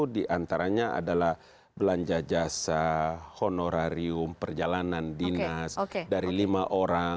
di antaranya adalah belanja jasa honorarium perjalanan dinas dari lima orang